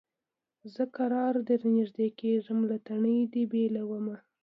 زه کرار درنیژدې کېږم له تنې دي بېلومه